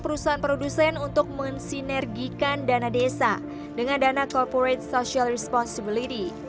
perusahaan produsen untuk mensinergikan dana desa dengan dana corporate social responsibility